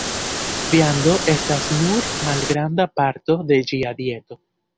Viando estas nur malgranda parto de ĝia dieto.